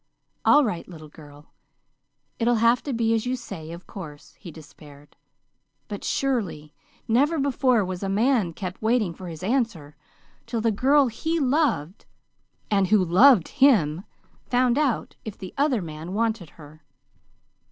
"All right, little girl, it'll have to be as you say, of course," he despaired. "But, surely, never before was a man kept waiting for his answer till the girl he loved, AND WHO LOVED HIM, found out if the other man wanted her!"